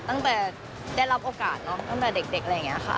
ตั้งแต่ได้รับโอกาสเนอะตั้งแต่เด็กอะไรอย่างนี้ค่ะ